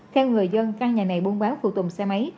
theo người dân căn nhà này buôn báo khu tùm xe máy